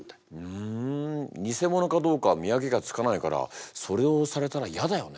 ふん偽ものかどうか見分けがつかないからそれをされたら嫌だよね。